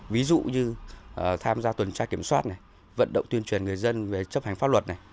ví dụ như tham gia tuần tra kiểm soát này vận động tuyên truyền người dân về chấp hành pháp luật này